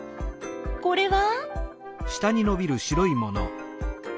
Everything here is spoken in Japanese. これは？